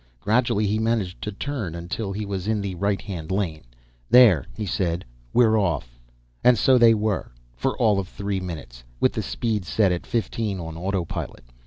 Gradually he managed to turn until he was in the righthand lane. "There," he said. "We're off." And so they were, for all of three minutes, with the speed set at fifteen on autopilot.